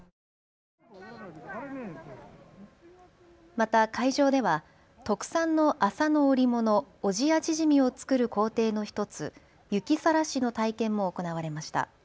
また会場では特産の麻の織物、小千谷縮を作る工程の１つ、雪さらしの体験も行われました。